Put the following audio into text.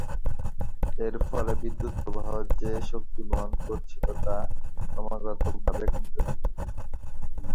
এর ফলে বিদ্যুৎ প্রবাহ যে শক্তি বহন করছিল তা ক্রমাগতভাবে কমতে থাকে।